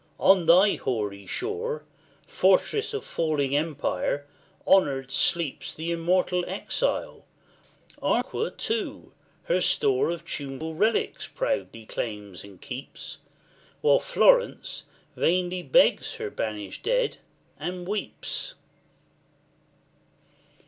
on thy hoary shore, Fortress of falling empire! honoured sleeps The immortal exile; Arqua, too, her store Of tuneful relics proudly claims and keeps, While Florence vainly begs her banished dead, and weeps.